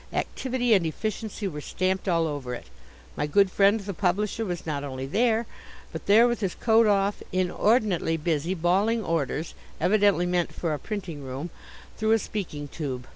Activity and efficiency were stamped all over it. My good friend the publisher was not only there, but there with his coat off, inordinately busy, bawling orders evidently meant for a printing room through a speaking tube.